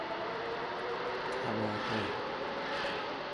تباهه